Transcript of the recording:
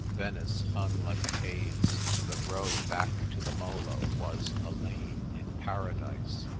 '" Venice hung like a haze. The row back to the Molo was a lane in Paradise.